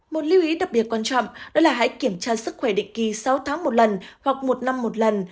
một lưu ý đặc biệt quan trọng đó là hãy kiểm tra sức khỏe định kỳ sáu tháng một lần hoặc một năm một lần